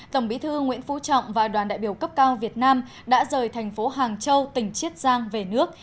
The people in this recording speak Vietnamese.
tổng bí thư nguyễn phú trọng và đoàn đại biểu cấp cao việt nam đã rời thành phố hàng châu tỉnh chiết giang về nước